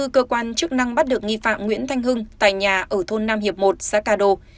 cơ quan chức năng bắt được nghi phạm nguyễn thanh hưng tại nhà ở thôn nam hiệp một xã cà đô